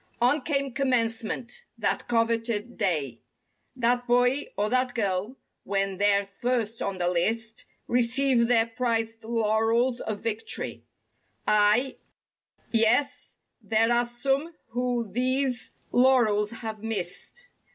On came commencement—that coveted day. That boy, or, that girl (when they're first on the list) Receive their prized laurels of victory. Aye, Yes—there are some who these laurels have missed!